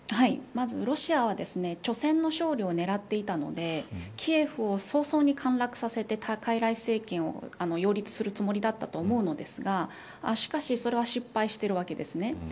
まずロシアは初戦の勝利を狙っていたのでキエフを早々に陥落させてかいらい政権を擁立するつもりだったと思うんですがしかしそれは失敗しているわけです。